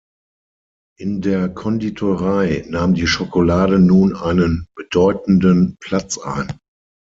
In der Konditorei nahm die Schokolade nun einen bedeutenden Platz ein.